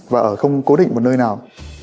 và ở không cố định một nơi nào